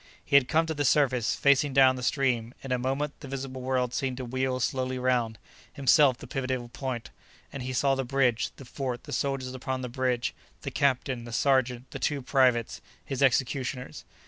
He had come to the surface facing down the stream; in a moment the visible world seemed to wheel slowly round, himself the pivotal point, and he saw the bridge, the fort, the soldiers upon the bridge, the captain, the sergeant, the two privates, his executioners.